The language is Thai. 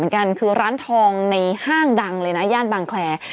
ไม่รู้ว่าช่วงที่ผ่านมาศ